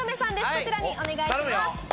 こちらにお願いします。